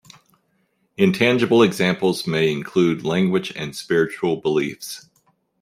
Intangible examples may include language and spiritual beliefs.